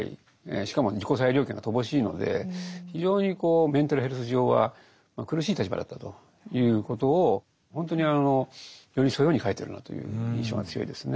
しかも自己裁量権が乏しいので非常にこうメンタルヘルス上は苦しい立場だったということを本当に寄り添うように書いてるなという印象が強いですね。